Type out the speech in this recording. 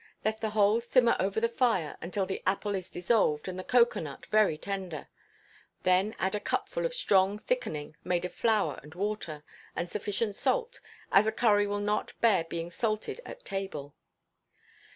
Let the whole simmer over the fire until the apple is dissolved, and the cocoa nut very tender; then add a cupful of strong thickening made of flour and water, and sufficient salt, as a curry will not bear being salted at table.